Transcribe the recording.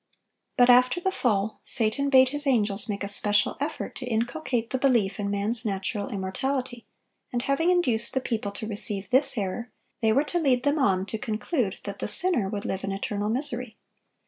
But after the fall, Satan bade his angels make a special effort to inculcate the belief in man's natural immortality; and having induced the people to receive this error, they were to lead them on to conclude that the sinner would live in eternal misery.